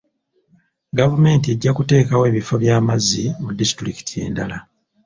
Gavumenti ejja kuteekawo ebifo by'amazzi mu disitulikiti endala.